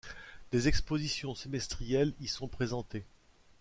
Des expositions semestrielles y sont présentées.